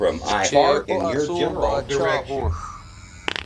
چہء او اسوں باچھا ھونݜ